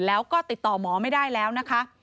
แล้วก็ติดต่อหมอไม่ได้แล้วนะคะ